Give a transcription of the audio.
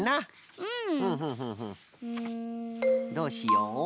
どうしよう？